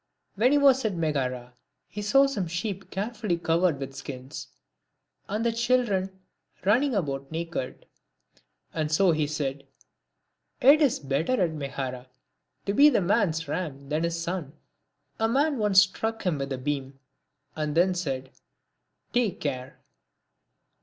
When he was at Megara he saw some sheep carefully covered over with skins, and the children running about naked; and so he said, " It is better at Megara to be a man's ram, than his son." A man once struck him with a beam, and then said, " Take care."